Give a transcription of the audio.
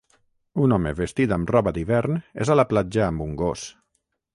Un home vestit amb roba d'hivern és a la platja amb un gos.